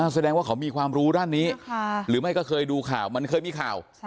แสดงว่าเขามีความรู้ด้านนี้หรือไม่ก็เคยดูข่าวมันเคยมีข่าว